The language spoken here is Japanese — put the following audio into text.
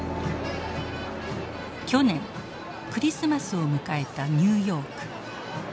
去年クリスマスを迎えたニューヨーク。